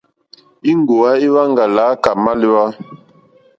Íŋgòwá íhwáŋgà lǎkèyà mâlíwà.